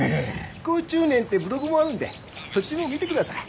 飛行中年ってブログもあるんでそっちも見てください。